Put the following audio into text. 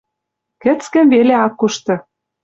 Кӹцкӹм веле ак кушты.